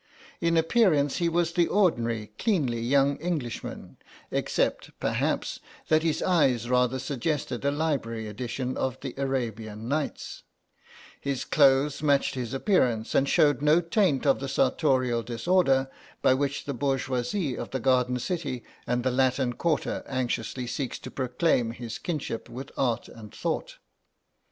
In appearance he was the ordinary cleanly young Englishman, except, perhaps, that his eyes rather suggested a library edition of the Arabian Nights; his clothes matched his appearance and showed no taint of the sartorial disorder by which the bourgeois of the garden city and the Latin Quarter anxiously seeks to proclaim his kinship with art and thought.